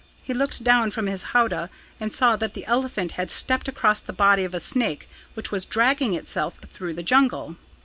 He looked down from his howdah and saw that the elephant had stepped across the body of a snake which was dragging itself through the jungle.